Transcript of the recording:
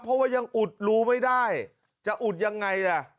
เพราะว่ายังอุดรูไม่ได้จะอุดยังไงล่ะ